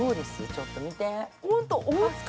ちょっと見て。